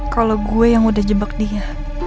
kalau gue yang udah jebak dia